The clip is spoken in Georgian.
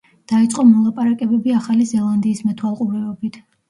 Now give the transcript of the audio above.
დაიწყო მოლაპარაკებები ახალი ზელანდიის მეთვალყურეობით.